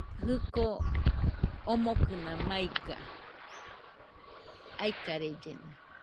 Jɨko omokɨna maiga, aikarellena